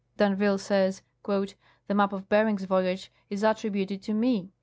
D'Anville says: "The map of Bering's voyage is attributed to me.